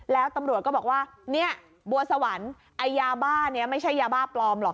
แล้วตำรวจก็บอกว่าเนี่ยบัวสวรรค์ไอ้ยาบ้านี้ไม่ใช่ยาบ้าปลอมหรอก